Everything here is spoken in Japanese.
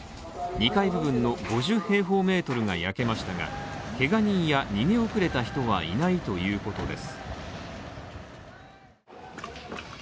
２階部分の５０平方メートルが焼けましたが、けが人や逃げ遅れた人はいないということです。